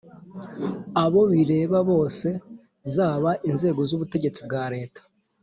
abo bireba bose zaba inzego z ubutegetsi bwa leta